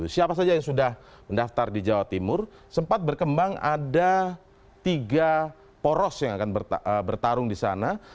siapa saja yang sudah mendaftar di jawa timur sempat berkembang ada tiga poros yang akan bertarung di sana